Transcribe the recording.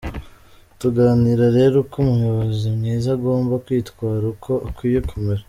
Tuganira rero uko umuyobozi mwiza agomba kwitwara, uko akwiye kumera.